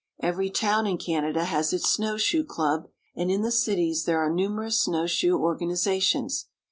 Every town in Canada has its snowshoe club, and in the cities there are numerous snowshoe organizations.